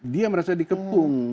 dia merasa dikepung